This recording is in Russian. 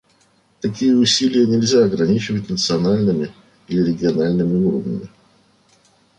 Такие усилия нельзя ограничивать национальными или региональными уровнями.